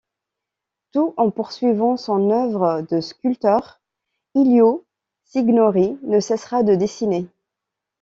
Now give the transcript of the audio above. Tout en poursuivant son œuvre de sculpteur, Ilio Signori ne cessera de dessiner.